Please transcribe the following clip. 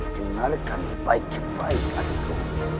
dengan kami baik baik adikku